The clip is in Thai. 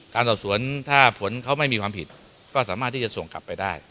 การสอบสวนถ้าผลเขาไม่มีความผิดก็สามารถที่จะส่งกลับไปได้